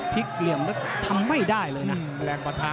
พลิกเหลี่ยมทำไม่ได้เลยนะ